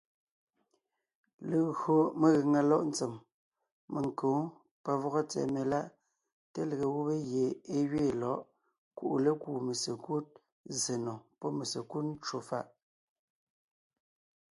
Legÿo megàŋa lɔ̌ʼ ntsèm, menkǒ, pavɔgɔ tsɛ̀ɛ meláʼ, té lege gubé gie é gẅeen lɔ̌ʼ kuʼu lékúu mesekúd zsè nò pɔ́ mesekúd ncwò fàʼ.